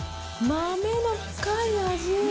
豆の深い味。